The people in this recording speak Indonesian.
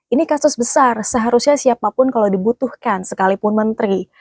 ini kasus besar seharusnya siapapun kalau dibutuhkan sekalipun menteri